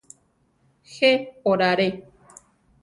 Je orare.